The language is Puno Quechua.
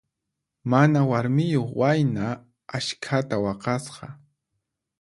Mana warmiyuq wayna askhata waqasqa.